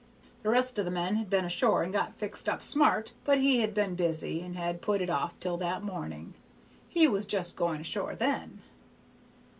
The rest of the men had been ashore and got fixed up smart, but he had been busy, and had put it off till that morning; he was just going ashore then.